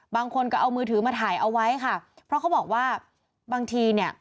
บางคนก็เอามือถือมาถ่ายเอาไว้ค่ะเพราะเขาบอกว่าบางทีเนี่ย